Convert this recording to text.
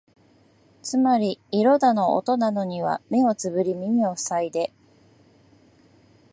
つまり色だの音だのには目をつぶり耳をふさいで、